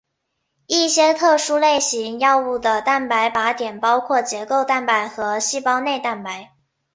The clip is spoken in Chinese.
一些特殊类型药物的蛋白靶点包括结构蛋白和细胞内蛋白。